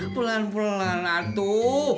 pelan pelan atuh